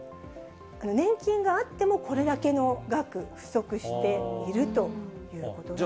年金があってもこれだけの額、不足しているということなんですね。